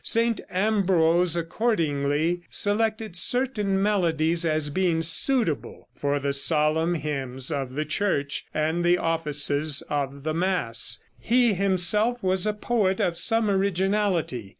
St. Ambrose, accordingly, selected certain melodies as being suitable for the solemn hymns of the Church and the offices of the mass. He himself was a poet of some originality.